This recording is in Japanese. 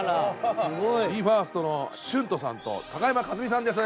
すごい！ＢＥ：ＦＩＲＳＴのＳＨＵＮＴＯさんと高山一実さんです。